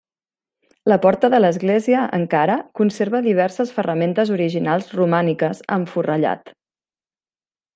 La porta de l'església, encara, conserva diverses ferramentes originals romàniques, amb forrellat.